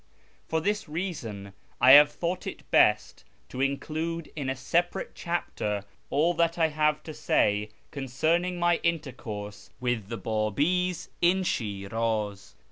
For this reason I have thought it best to include in a separate chapter all that I have to say concerning my intercourse with the Babi's in Shiraz.